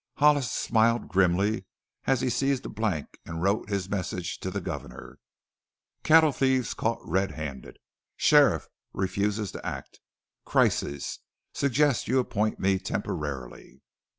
Hollis smiled grimly as he seized a blank and wrote his message to the governor: "Cattle thieves caught red handed. Sheriff refuses to act. Crisis. Suggest you appoint me temporarily.